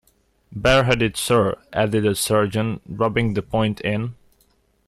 "Bareheaded, sir," added the sergeant, rubbing the point in.